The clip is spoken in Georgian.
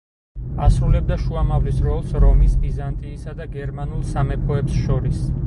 ასრულებდა შუამავლის როლს რომის, ბიზანტიისა და გერმანულ სამეფოებს შორის.